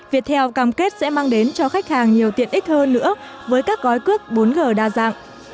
viettel cam kết sẽ mang đến cho khách hàng nhiều tiện ích hơn nữa với các gói cước bốn g đa dạng